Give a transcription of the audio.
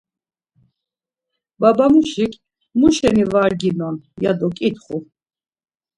Babamuşik, “Muşeni var ginon?” ya do ǩitxu.